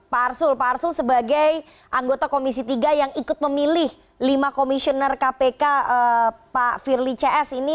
pak arsul pak arsul sebagai anggota komisi tiga yang ikut memilih lima komisioner kpk pak firly cs ini